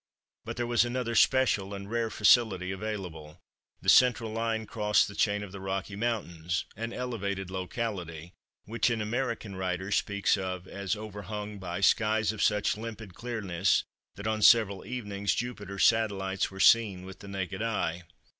But there was another special and rare facility available: the central line crossed the chain of the Rocky Mountains, an elevated locality, which an American writer speaks of as overhung by "skies of such limpid clearness, that on several evenings Jupiter's satellites were seen with the naked eye."